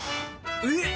えっ！